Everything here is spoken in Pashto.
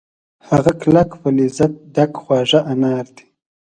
هغه کلک په لذت ډک خواږه انار دي